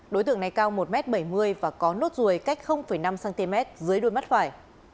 đối tượng này cao một m bảy mươi và có nốt ruồi cách năm cm dưới đuôi mắt phải